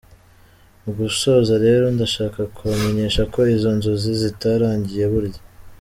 Mu gusoza rero, ndashaka kubamenyesha ko izo nzozi zitarangiye burya.